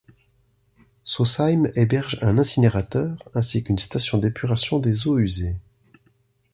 Sausheim héberge un incinérateur, ainsi qu’une station d’épuration des eaux usées.